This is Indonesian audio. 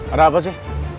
ada apa sih